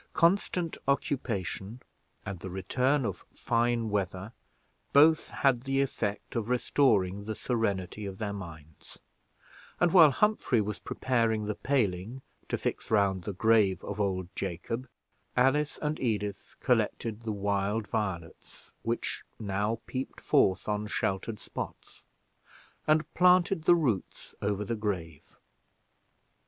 Constant occupation, and the return of fine weather, both had the effect of returning the serenity of their minds; and while Humphrey was preparing the paling to fix round the grave of old Jacob, Alice and Edith collected the wild violets which now peeped forth on sheltered spots, and planted the roots over the grave.